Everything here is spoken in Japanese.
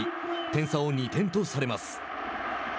点差を２点とされます。